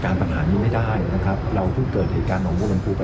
การปัญหานี้ไม่ได้นะครับเราเพิ่งเกิดเหตุการณ์ของพวกมันพูดไป